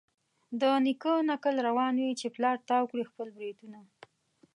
د نیکه نکل روان وي چي پلار تاو کړي خپل برېتونه